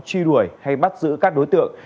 truy đuổi hay bắt giữ các đối tượng